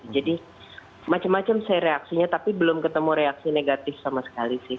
jadi macem macem sih reaksinya tapi belum ketemu reaksi negatif sama sekali sih